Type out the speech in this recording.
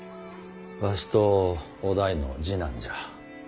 わしと於大の次男じゃ。